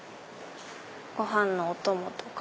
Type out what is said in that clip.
ご飯のお供とか。